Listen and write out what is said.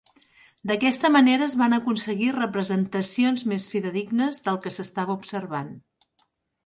D'aquesta manera es van aconseguir representacions més fidedignes del que s'estava observant.